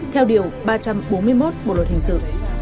theo điều ba trăm bốn mươi một bộ luật hình sự